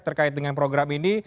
terkait dengan program ini